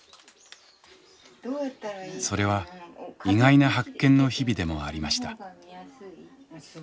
それは意外な発見の日々でもありました。